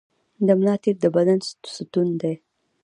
د ملا تیر د بدن ستون دی